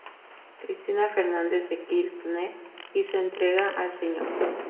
Cristina Fernández de Kirchner hizo entrega al Sr.